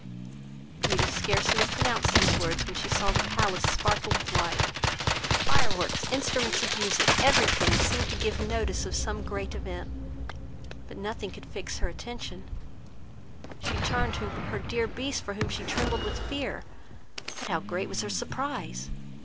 Beauty scarcely had pronounced these words, when she saw the palace sparkle with light; and fireworks, instruments of music, every thing, seemed to give notice of some great event: but nothing could fix her attention; she turned to her dear Beast, for whom she trembled with fear; but how great was her surprise!